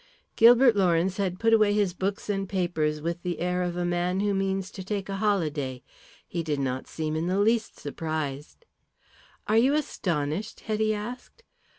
Gilbert Lawrence had put away his books and papers with the air of a man who means to take a holiday. He did not seem in the least surprised. "Are you astonished?" Hetty asked.